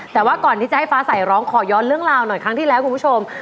แต่ว่าก่อนที่จะให้ฟ้าใสร้องขอย้อนเรื่องราวหน่อยครั้งที่แล้วคุณผู้ชม